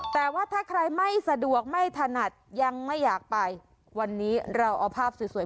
แต่ว่าถ้าใครไม่สะดวกไม่ถนัดยังไม่อยากไปวันนี้เราเอาภาพสวย